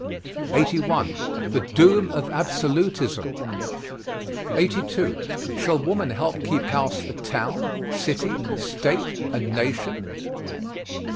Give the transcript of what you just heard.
81. THE DOOM OF ABSOLUTISM. 82. SHALL WOMAN HELP KEEP HOUSE FOR TOWN, CITY, STATE, AND NATION?